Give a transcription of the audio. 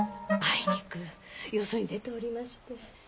あいにくよそに出ておりまして。